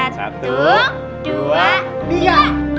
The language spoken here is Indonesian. satu dua tiga